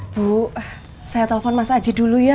bu saya telpon mas aji dulu ya